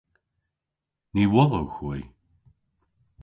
Ny wodhowgh hwi.